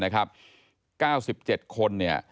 ๙๗คน